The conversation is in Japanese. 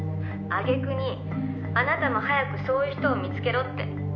「あげくにあなたも早くそういう人を見つけろって」